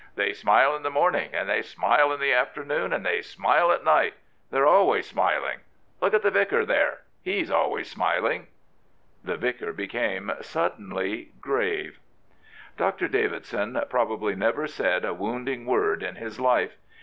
" They smile in the morning, and they smile in the afternoon, and they smile at night. They're always smiling. Look at the vicar there — he's always smiling," The vicar became suddenly grave. Dr. Davidson probably never said a wounding word in his life.